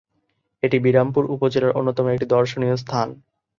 এটি বিরামপুর উপজেলার অন্যতম একটি দর্শনীয় স্থান।